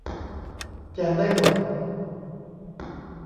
แจมได้หมด